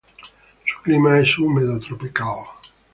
Su clima es húmedo tropical.